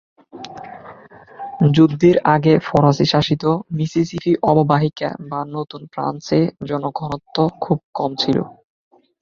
যুদ্ধের আগে ফরাসী শাসিত মিসিসিপি অববাহিকা/নতুন ফ্রান্স-এ জনঘনত্ব খুব কম ছিল।